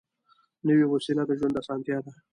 نوې وسیله د ژوند اسانتیا ده